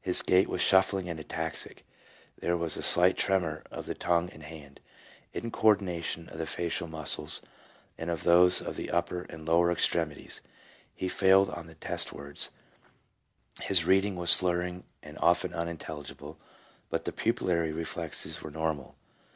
His gait was shuffling and ataxic, there was a slight tremor of the tongue and hand, incoordination of the facial muscles and of those of the upper and lower extremities, he failed on the test words, his reading was slurring and often unintelligible, but the pupillary reflexes were normal.